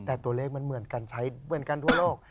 แต่ตัวเลขมันเหมือนกันใช้เหมือนกันทั่วโลก